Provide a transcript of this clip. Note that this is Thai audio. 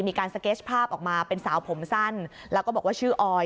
มีการสเก็สภาพออกมาเป็นสาวผมสั้นแล้วก็บอกว่าชื่อออย